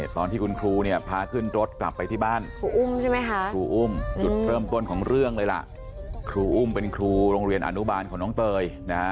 ตอนที่คุณครูพาเขื่นรถกลับไปที่บ้านครูอุ้มจุดเติมต้นของเรื่องครูอุ้มเป็นครูโรงเรียนอนุบาลของน้องเตย